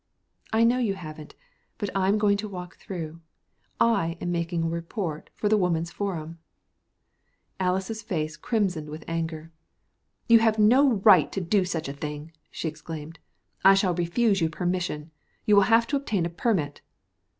"I know you haven't. But I'm going to walk through. I am making a report for the Woman's Forum." Alys' face crimsoned with anger. "You have no right to do such a thing," she exclaimed. "I shall refuse you permission. You will have to obtain a permit."